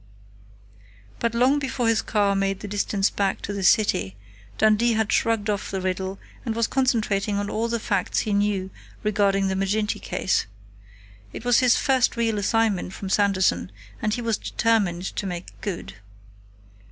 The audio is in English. But long before his car made the distance back to the city Dundee had shrugged off the riddle and was concentrating on all the facts he knew regarding the Maginty case. It was his first real assignment from Sanderson, and he was determined to make good.